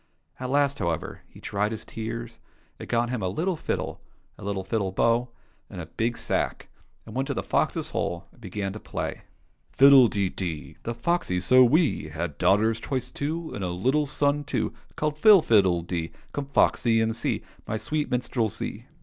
At last, however, he dried his tears and got him a little fiddle, a little fiddle bow, and a big sack, and went to the fox's hole and began to play :" Fiddle de dee ! Thejoxy so wee Had daughters twice two, And a little son too, Called Phil. — Fiddle dee ! Come, foxy, and see My sweet minstrelsy !